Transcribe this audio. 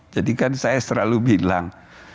jadi kan saya selalu bilang